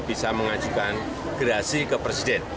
bisa mengajukan gerasi ke presiden